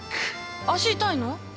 足痛いの？